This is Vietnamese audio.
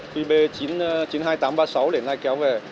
qb chín mươi hai nghìn tám trăm ba mươi sáu để lại kéo về